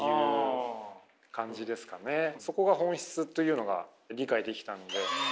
そこが本質というのが理解できたので。